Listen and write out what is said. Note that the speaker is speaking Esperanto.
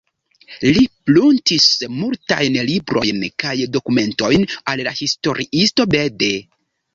Li pruntis multajn librojn kaj dokumentojn al la historiisto Bede.